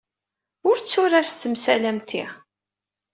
Ur tturar s temsal am ti.